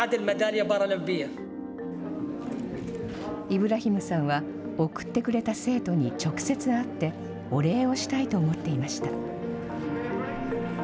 イブラヒムさんは、贈ってくれた生徒に直接会って、お礼をしたいと思っていました。